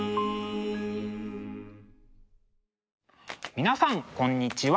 皆さんこんにちは。